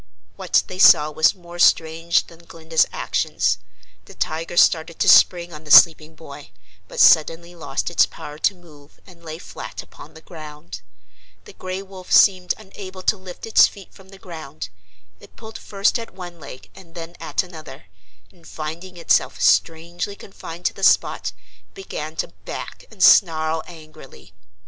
What they saw was more strange than Glinda's actions. The tiger started to spring on the sleeping boy, but suddenly lost its power to move and lay flat upon the ground. The gray wolf seemed unable to lift its feet from the ground. It pulled first at one leg and then at another, and finding itself strangely confined to the spot began to back and snarl angrily.